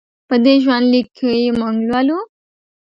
په دې ژوند لیک کې موږ لولو.